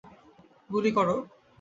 গুলি করো।